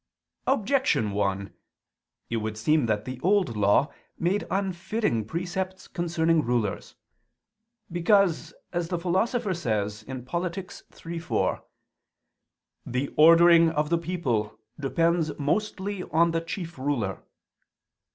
Objection 1: It would seem that the Old Law made unfitting precepts concerning rulers. Because, as the Philosopher says (Polit. iii, 4), "the ordering of the people depends mostly on the chief ruler."